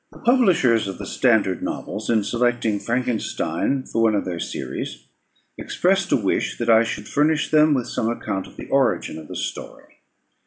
The Publishers of the Standard Novels, in selecting "Frankenstein" for one of their series, expressed a wish that I should furnish them with some account of the origin of the story.